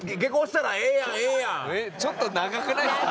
ちょっと長くないですか？